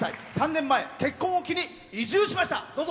３年前、結婚を機に移住しました。